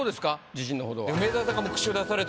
自信のほどは。